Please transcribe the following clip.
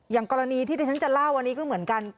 อย่างกรณีที่ที่ฉันจะเล่าอันนี้ก็เหมือนกัน